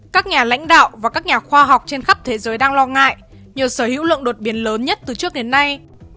các nhà lãnh đạo và các nhà khoa học trên khắp thế giới đang lo ngại nhờ sở hữu lượng đột biến lớn nhất từ trước đến nay